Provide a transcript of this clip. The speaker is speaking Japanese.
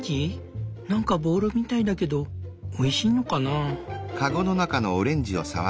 何かボールみたいだけどおいしいのかな？